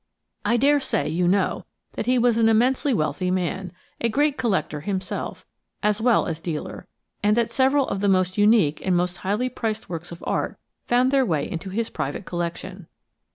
I dare say you know that he was an immensely wealthy man, a great collector himself, as well as dealer, and that several of the most unique and most highly priced works of art found their way into his private collection.